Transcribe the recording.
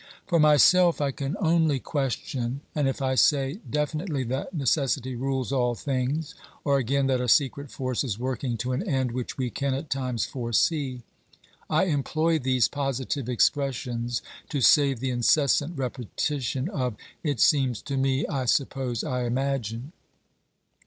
For myself, I can only question, and if I say definitely that necessity rules all things, or again, that a secret force is working to an end which we can at times foresee, I employ these positive expressions to save the incessant repetition of "It seems to me," " I suppose," "I imagine."